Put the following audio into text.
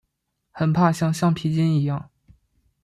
很怕像橡皮筋一样